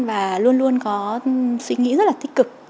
và luôn luôn có suy nghĩ rất là tích cực